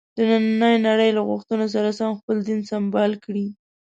د نننۍ نړۍ له غوښتنو سره سم خپل دین سمبال کړي.